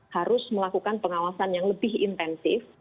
harus melakukan pengawasan yang lebih intensif